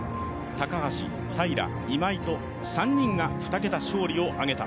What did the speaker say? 高橋、平、今井と３人が２桁勝利を挙げた。